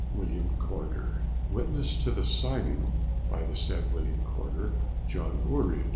WILLIAM CORDER." Witness to the signing by the said William Corder, JOHN ORRIDGE.